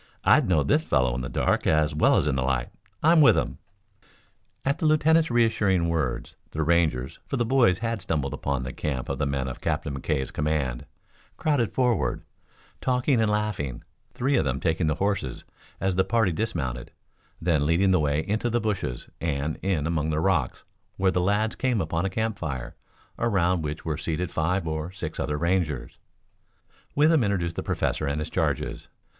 "I'd know this fellow in the dark as well as in the light. I'm Withem." At the lieutenant's reassuring words the Rangers for the boys had stumbled upon the camp of the men of Captain McKay's command crowded forward, talking and laughing, three of them taking the horses as the party dismounted, then leading the way into the bushes and in among the rocks where the lads came upon a campfire, around which were seated five or six other Rangers. Withem introduced the professor and his charges.